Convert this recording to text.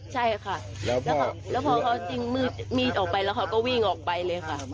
ใช่ค่ะแล้วพอเขาจริงมีดออกไปแล้วเขาก็วิ่งออกไปเลยค่ะ